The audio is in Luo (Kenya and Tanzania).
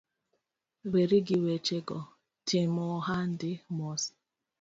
Weri gi wechego, tim ohandi mos